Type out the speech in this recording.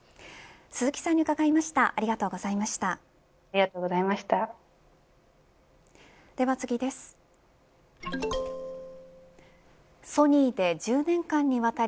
鈴木さんに伺いました。